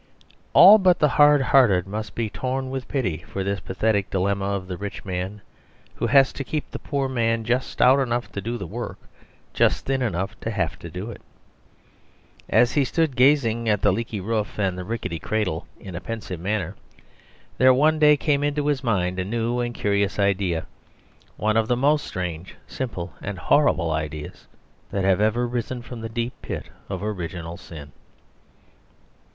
All but the hard hearted must be torn with pity for this pathetic dilemma of the rich man, who has to keep the poor man just stout enough to do the work and just thin enough to have to do it. As he stood gazing at the leaky roof and the rickety cradle in a pensive manner, there one day came into his mind a new and curious idea one of the most strange, simple, and horrible ideas that have ever risen from the deep pit of original sin.